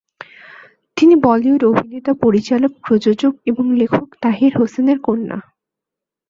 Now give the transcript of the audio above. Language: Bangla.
তিনি বলিউড অভিনেতা, পরিচালক, প্রযোজক এবং লেখক তাহির হোসেনের কন্যা।